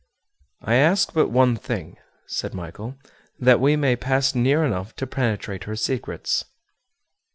"I ask but one thing," said Michel; "that we may pass near enough to penetrate her secrets."